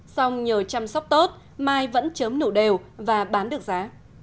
song nhờ chăm sóc tốt mai vẫn chớm nụ đều và bán được giá